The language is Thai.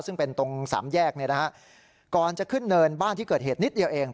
ซึ่งเป็นตรงสามแยกก่อนจะขึ้นเนินบ้านที่เกิดเหตุนิดเดียวเอง